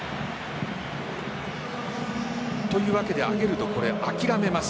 というわけでアゲルド、諦めます。